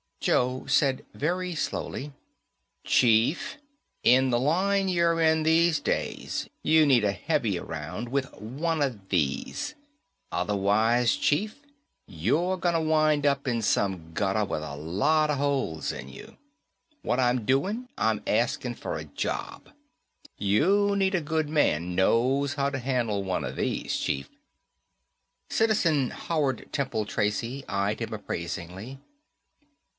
Joe said, very slowly, "Chief, in the line you're in these days you needa heavy around with wunna these. Otherwise, Chief, you're gunna wind up in some gutter with a lotta holes in you. What I'm doin', I'm askin' for a job. You need a good man knows how to handle wunna these, Chief." Citizen Howard Temple Tracy eyed him appraisingly.